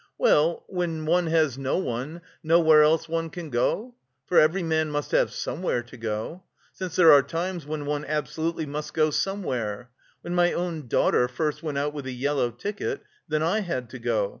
"Well, when one has no one, nowhere else one can go! For every man must have somewhere to go. Since there are times when one absolutely must go somewhere! When my own daughter first went out with a yellow ticket, then I had to go...